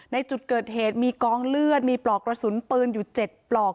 ในจุดเกิดเหตุมีกองเลือดมีปลอกกระสุนปืนอยู่๗ปลอก